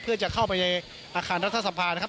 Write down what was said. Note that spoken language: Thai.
เพื่อจะเข้าไปในอาคารรัฐสภานะครับ